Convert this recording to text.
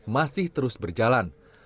masih terus berjalan